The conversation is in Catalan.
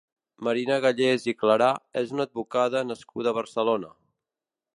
Marina Gallés i Clarà és una advocada nascuda a Barcelona.